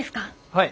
はい。